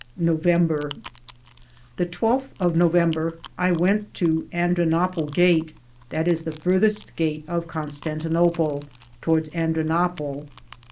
November. The 1 2 th of November I wente to Andranople gate, that is the farthest gate of Constantinople, towardes Andranople.